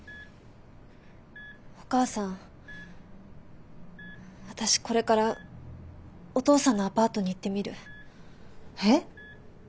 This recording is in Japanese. お母さん私これからお父さんのアパートに行ってみる。